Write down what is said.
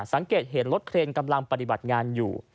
สังเกตเห็นรถเครนกำลังปฏิบัติงานอยู่